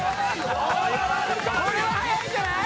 これは速いんじゃない？